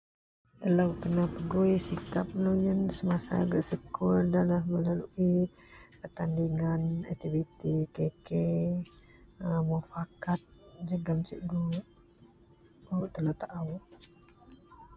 Telou kena pegui sikap deloyen semasa gak sekul adalah melalui pertandingan aktiviti KK mufakat jegem cikgu baruk telou taao